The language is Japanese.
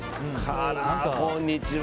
こんにちは。